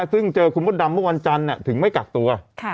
ซึ่งเจอคุณมดดำเมื่อวันจันทร์ถึงไม่กักตัว